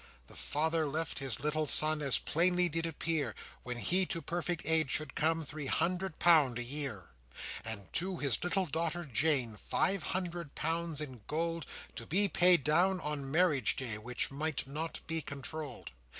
The father left his little son, As plainly did appear, When he to perfect age should come, Three hundred pounds a year; And to his little daughter Jane Five hundred pounds in gold, To be paid down on marriage day, Which might not be controlled.